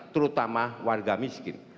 terutama warga miskin